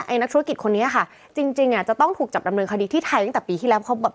ไอ้นักธุรกิจคนนี้ค่ะจริงจะต้องถูกจับดำเนินคดีที่ไทยตั้งแต่ปีที่แล้ว